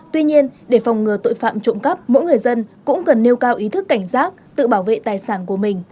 tuy nhiên để phòng ngừa tội phạm trộm cắp mỗi người dân cũng cần nêu cao ý thức cảnh giác tự bảo vệ tài sản của mình